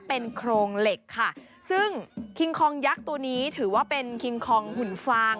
เป็นโครงเหล็กค่ะซึ่งคิงคองยักษ์ตัวนี้ถือว่าเป็นคิงคองหุ่นฟาง